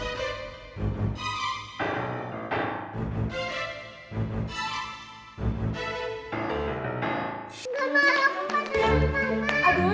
engga ma aku pasang di rumah ma